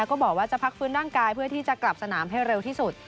ก็บอกว่าจะพักฟื้นร่างกายเพื่อที่จะกลับสนามให้เร็วที่สุด